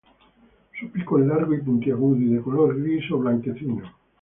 Su pico es largo y puntiagudo, y de color gris o blanquecino.